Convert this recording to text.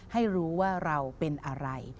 ให้รู้ว่าเราเป็นอะไร